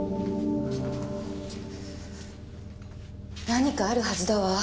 何かあるはずだわ。